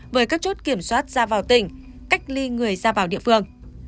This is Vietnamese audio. với các chốt kiểm soát ra vào tỉnh cách ly người ra vào địa phương